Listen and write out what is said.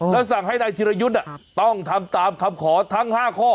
แล้วสั่งให้นายธิรยุทธ์ต้องทำตามคำขอทั้ง๕ข้อ